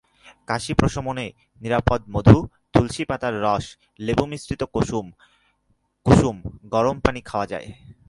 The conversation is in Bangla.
কাশি প্রশমনে নিরাপদ মধু, তুলসীপাতার রস, লেবুমিশ্রিত কুসুম গরম পানি খাওয়ানো যায়।